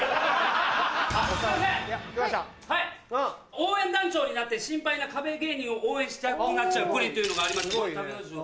応援団長になって心配な壁芸人を応援したくなっちゃうプリンというのがありまして食べますよ。